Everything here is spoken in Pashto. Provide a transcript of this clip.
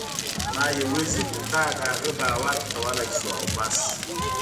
ما یوازې پر تا د هغه باور کولای شو او بس.